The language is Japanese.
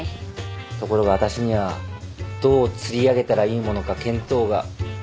ところがあたしにはどう釣り上げたらいいものか見当が。